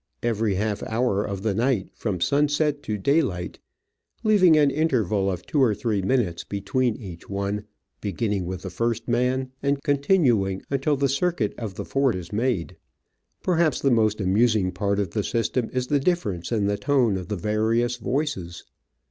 '' every half hour of the night from sunset to daylight, leaving an interval of two or three minutes between each one, beginning with the first man and continuing until the circuit of the fort is made. Perhaps the most amusing part of the system is the difference in the tone of the various voices.